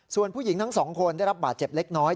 ส่วนผู้หญิงทั้งสองคนได้รับบาดเจ็บเล็กน้อย